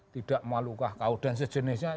tidak malukah kau dan sejenisnya